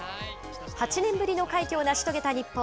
８年ぶりの快挙を成し遂げた日本。